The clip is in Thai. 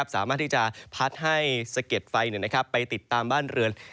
สามารถที่จะพัดให้สะเก็ดไฟไปติดตามบ้านเรือน